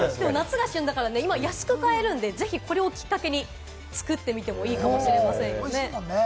旬なんで、安く買えるのでこれをきっかけに作ってみてもいいかもしれませんね。